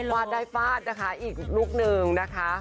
วาดได้ฟาดนะคะอีกลุคนึงนะคะ